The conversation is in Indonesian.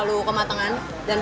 sebelum ungg held